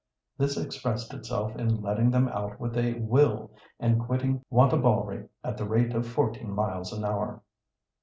This expressed itself in letting them out with a will and quitting Wantabalree at the rate of fourteen miles an hour.